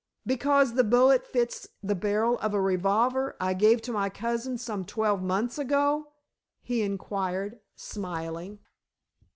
"Because the bullet fits the barrel of a revolver I gave to my cousin some twelve months ago?" he inquired, smiling.